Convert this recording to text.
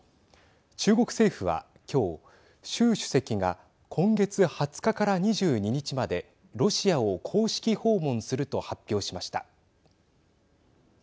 中国政府は今日、習主席が今月２０日から２２日までロシアを公式訪問すると発表しました。